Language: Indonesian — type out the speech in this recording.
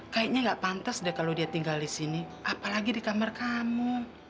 kayaknya nggak pantas deh kalau dia tinggal di sini apalagi di kamar kamu